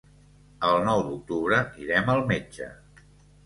El nou d'octubre irem al metge.